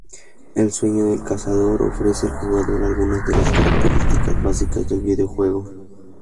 El "Sueño del Cazador" ofrece al jugador algunas de las características básicas del videojuego.